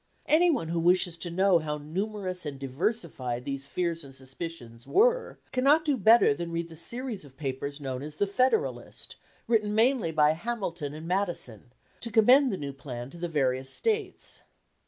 Any one who wishes to know how numerous and diversified these fears and suspicions were, cannot do better than read the series of papers known as "The Federalist," written mainly by Hamilton and Madison, to commend the new plan to the various States.